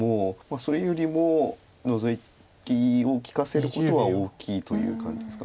それよりもノゾキを利かせることは大きいという感じですか。